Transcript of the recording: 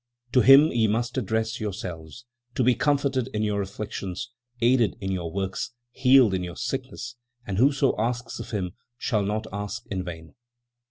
"To Him ye must address yourselves, to be comforted in your afflictions, aided in your works, healed in your sickness and whoso asks of Him, shall not ask in vain.